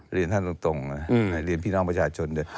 เรียนท่านตรงนะเรียนพี่น้องประชาชนด้วย